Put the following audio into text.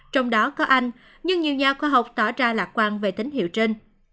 trong đó có anh nhưng nhiều nhà khoa học tỏ ra lạc quan về tín hiệu trên